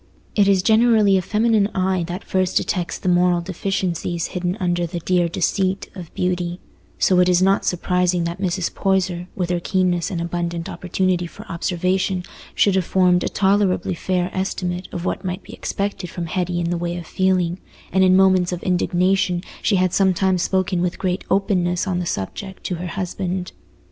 It is generally a feminine eye that first detects the moral deficiencies hidden under the "dear deceit" of beauty, so it is not surprising that Mrs. Poyser, with her keenness and abundant opportunity for observation, should have formed a tolerably fair estimate of what might be expected from Hetty in the way of feeling, and in moments of indignation she had sometimes spoken with great openness on the subject to her husband.